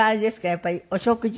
やっぱりお食事？